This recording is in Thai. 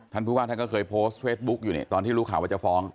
ท่านผู้ว่าท่านก็เคยโพสต์เฟซบุ๊กอยู่เนี่ยตอนที่รู้ข่าวว่าจะฟ้อง